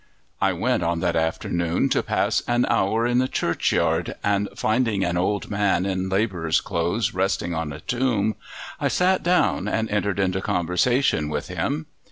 I went on that afternoon to pass an hour in the churchyard, and finding an old man in labourer's clothes resting on a tomb, I sat down and entered into conversation with him.